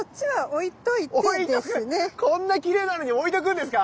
置いとく⁉こんなきれいなのに置いとくんですか？